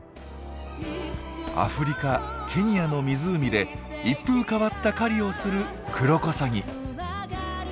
アフリカケニアの湖で一風変わった狩りをするクロコサギ。